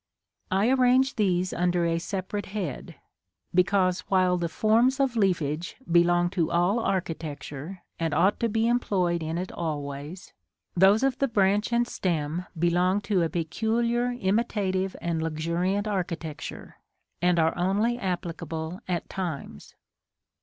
I arrange these under a separate head; because, while the forms of leafage belong to all architecture, and ought to be employed in it always, those of the branch and stem belong to a peculiar imitative and luxuriant architecture, and are only applicable at times.